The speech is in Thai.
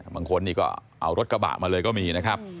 บางคนนี่ก็เอารถกระบะมาเลยก็มีนะครับ